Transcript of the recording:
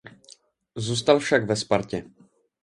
Zůstal však ve Spartě.